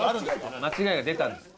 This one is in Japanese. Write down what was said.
間違いが出たんです。